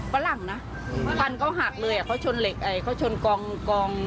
ฝรั่งน่ะพันก็หักเลยอ่ะเขาชนเหล็กไอ้เขาชนกอง